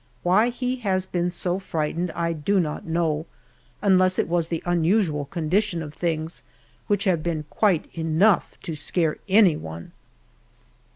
Why he has been so frightened' I do not know, unless it was the unusual condition of things, which have been quite enough to scare anyone.